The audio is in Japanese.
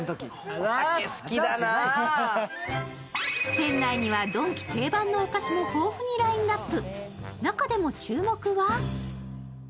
店内にはドンキ定番のお菓子も豊富にラインナップ。